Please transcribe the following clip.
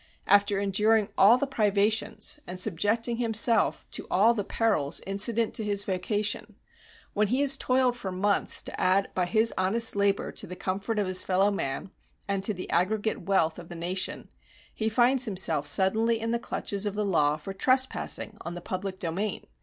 After enduring all the privations and subjecting himself to all the perils incident to his vocation when he has toiled for months to add by his honest labor to the comfort of his fellow men, and to the aggregate wealth of the nation, he finds himself suddenly in the clutches of the law for trespassing on the public domain.